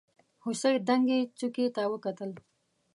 هوسۍ دنګې څوکې ته وکتل.